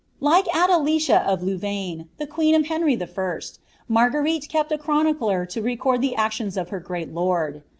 Like Adelicia of LouTnine, the queen of Henry I., Sfargnerile k'pl » chronicler to record the actions of her great lord.